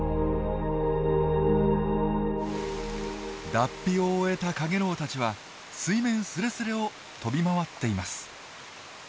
脱皮を終えたカゲロウたちは水面すれすれを飛び回っています。